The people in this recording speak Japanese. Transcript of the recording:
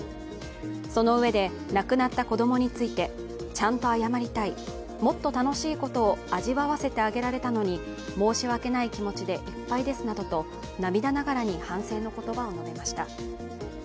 そのうえで、亡くなった子供について、ちゃんと謝りたい、もっと楽しいことを味わわせてあげられたのに申し訳ない気持ちでいっぱいですなどと涙ながらに反省の言葉を述べました。